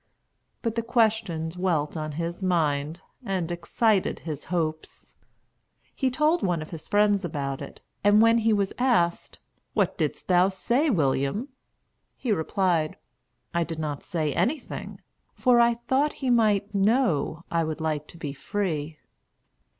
But the question dwelt on his mind and excited his hopes. He told one of his friends about it, and when he was asked, "What didst thou say, William?" he replied, "I did not say anything; for I thought he might know I would like to be free."